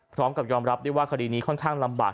พร้อมกับยอมรับได้ว่าคดีนี้ค่อนข้างลำบาก